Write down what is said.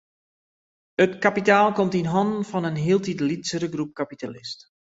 It kapitaal komt yn hannen fan in hieltyd lytsere groep kapitalisten.